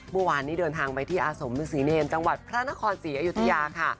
บอวานที่เดินทางไปที่อาสมภิกษีเนรต่างวัดพระนครสีอยุธยาค่ะ